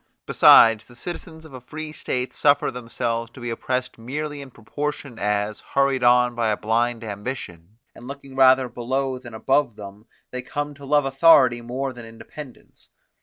Besides, the citizens of a free state suffer themselves to be oppressed merely in proportion as, hurried on by a blind ambition, and looking rather below than above them, they come to love authority more than independence.